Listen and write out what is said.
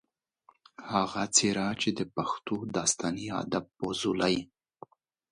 هغه څېره چې د پښتو داستاني ادب پۀ ځولۍ